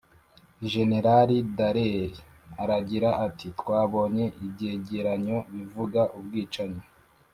jenerali dallaire aragira ati: «twabonye ibyegeranyo bivuga ubwicanyi